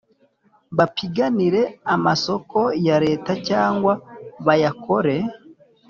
Bapiganire amasoko ya leta cyangwa bayakore